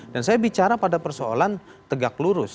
dan saya bicara pada persoalan tegak lurus